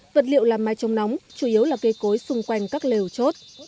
vật liệu làm mái chống nóng chủ yếu là cây cối xung quanh các lều chốt